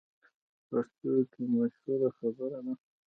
پښتو کې مشهوره خبره ده: